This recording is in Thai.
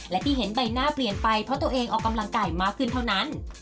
และที่เห็นใบหน้าเปลี่ยนไปเพราะตัวเองออกกำลังกายมากขึ้นเท่านั้น